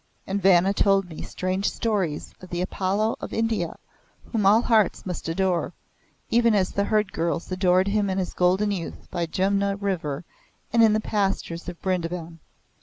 And Vanna told me strange stories of the Apollo of India whom all hearts must adore, even as the herd girls adored him in his golden youth by Jumna river and in the pastures of Brindaban.